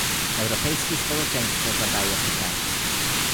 Europejskie społeczeństwo zadaje pytanie